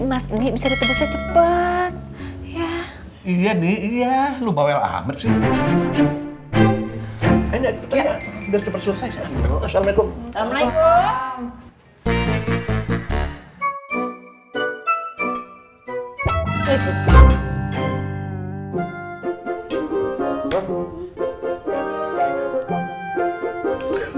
mas ini bisa cepet ya iya nih iya lu bawa amr sih enggak sudah selesai assalamualaikum